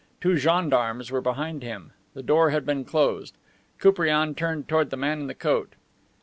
Two gendarmes were behind him. The door had been closed. Koupriane turned toward the man in the coat.